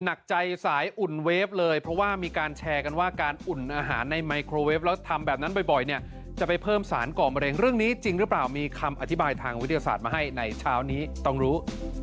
หนักใจสายอุ่นเวฟเลยเพราะว่ามีการแชร์กันว่าการอุ่นอาหารในไมโครเวฟแล้วทำแบบนั้นบ่อยเนี่ยจะไปเพิ่มสารก่อมะเร็งเรื่องนี้จริงหรือเปล่ามีคำอธิบายทางวิทยาศาสตร์มาให้ในเช้านี้ต้องรู้